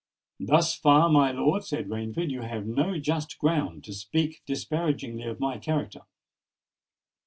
"Thus far, my lord," said Rainford, "you have no just ground to speak disparagingly of my character."